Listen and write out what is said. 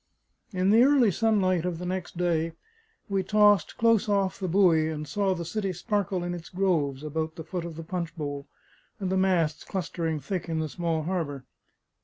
In the early sunlight of the next day, we tossed close off the buoy and saw the city sparkle in its groves about the foot of the Punch bowl, and the masts clustering thick in the small harbour.